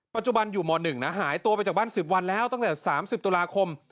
ปัจจุบันอยู่ม๑นะหายตัวไปจากบ้าน๑๐วันแล้วตั้งแต่๓๐ตุลาคม